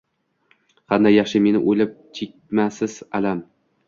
Qanday yaxshi, meni o’ylab chekmassiz alam